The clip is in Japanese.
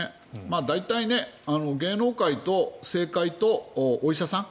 大体、芸能界と政界とお医者さん